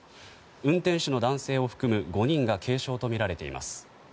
運転手の男性を含む５人が軽傷とみられています。